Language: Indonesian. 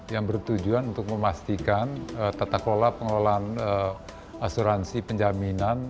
yang bertujuan untuk memastikan tata kelola pengelolaan asuransi penjaminan